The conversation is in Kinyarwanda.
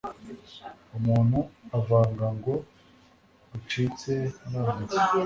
umuntu avaga ngo «rucitse nambutse